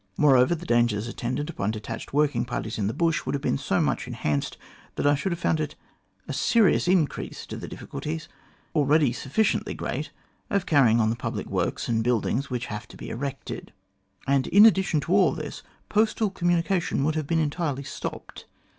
Moreover, the dangers attendant upon detached working parties in the bush would have been so much enhanced, that I should have found it a serious increase to the difficulties, already sufficiently great, of carrying on the public works and buildings which have to be erected; and in addition to all this, postal communication would have been entirely stopped.